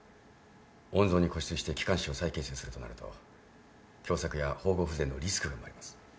温存に固執して気管支を再形成するとなると狭窄や縫合不全のリスクが生まれます。